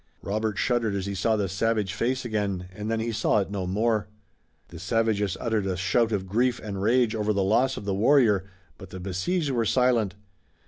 Robert shuddered as he saw the savage face again, and then he saw it no more. The savages uttered a shout of grief and rage over the loss of the warrior, but the besieged were silent.